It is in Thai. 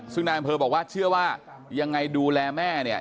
ซึ่งนายอำเภอบอกว่าเชื่อว่ายังไงดูแลแม่เนี่ย